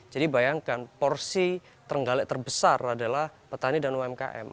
jadi bayangkan porsi trenggalek terbesar adalah petani dan umkm